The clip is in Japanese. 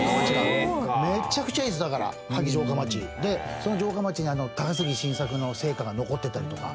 その城下町に高杉晋作の生家が残ってたりとか。